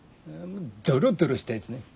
ドロドロしたやつね。